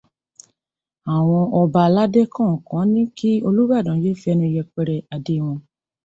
Àwọn ọba aláde kọ̀ọ̀kan ti ní kí Olúbàdàn yé fẹnu yẹpẹrẹ adé wọn.